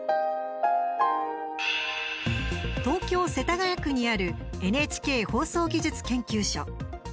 東京・世田谷区にあるＮＨＫ放送技術研究所。